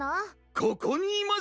ここにいますぞ！